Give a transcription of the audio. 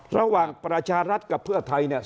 ระหว่างประชารัฐกับเพื่อไทยเนี่ย